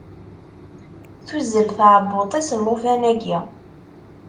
Tuzzel tɛebbuḍt-is llufan-agi.